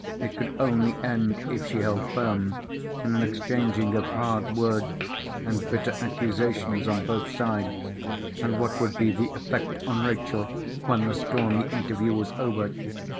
It could only end, if she held firm, in an exchanging of hard words and bitter accusations on both sides. And what would be the effect on Rachel when the stormy interview was over?